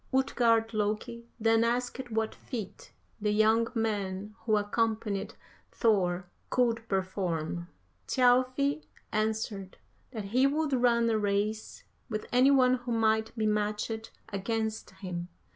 "Utgard Loki then asked what feat the young man who accompanied Thor could perform. Thjalfi answered that he would run a race with any one who might be matched against him.